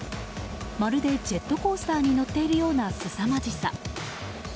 まるでジェットコースターに乗っているような、すさまじさ。